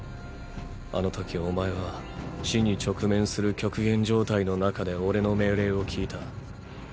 あの時お前は死に直面する極限状態の中でオレの命令を聞いた。